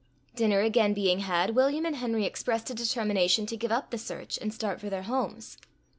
Dinner again being had, William and Henry expressed a determination to give up the search, and start for their homes.